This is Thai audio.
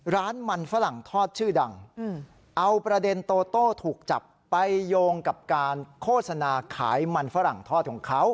ร้านมันฝรั่งทอดชื่อดังเอาประเด็นโตโต้ถูกจับไปโยงกับการโฆษณาขายมันฝรั่งทอดของเขา